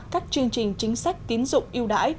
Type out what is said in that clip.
các chương trình chính sách tiến dụng yêu đải